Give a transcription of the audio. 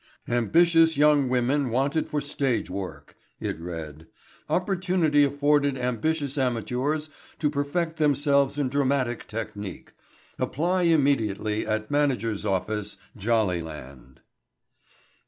"Ambitious Young Women Wanted for Stage Work," it read. "Opportunity Afforded Ambitious Amateurs to Perfect Themselves in Dramatic Technique—Apply Immediately at Manager's Office, 'Jollyland.